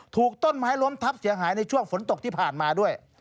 ถูกต้นไม้ล้มทับเสียหายในช่วงฝนตกที่ผ่านมาด้วย